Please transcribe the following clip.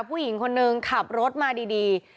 ผู้หญิงคนนึงขับรถมาดี